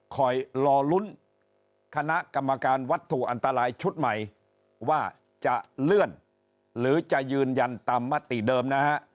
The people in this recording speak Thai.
คอยรอลุ้นคณะกรรมการวัตถุอันตรายชุดใหม่ว่าจะเลื่อนหรือจะยืนยันตามมติเดิมนะฮะ